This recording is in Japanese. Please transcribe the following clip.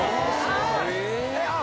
あっ！